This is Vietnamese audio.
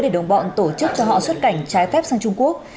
để đồng bọn tổ chức cho họ xuất cảnh trái phép sang trung quốc